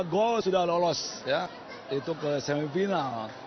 dua go sudah lolos ya itu ke semifinal